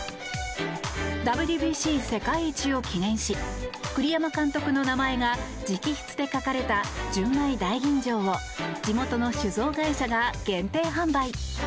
ＷＢＣ世界一を記念し栗山監督の名前が直筆で書かれた純米大吟醸を地元の酒造会社が限定販売。